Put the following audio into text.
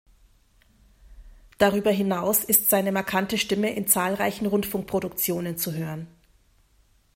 Darüber hinaus ist seine markante Stimme in zahlreichen Rundfunkproduktionen zu hören.